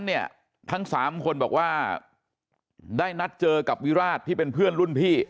เนี่ยทั้งสามคนบอกว่าได้นัดเจอกับวิราชที่เป็นเพื่อนรุ่นพี่